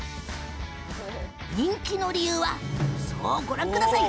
人気の理由はご覧ください。